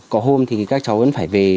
có hôm thì các cháu vẫn phải về